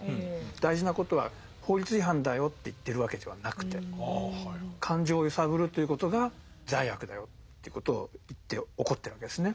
大事なことは法律違反だよって言ってるわけではなくて感情を揺さぶるということが罪悪だよということを言って怒ってるわけですね。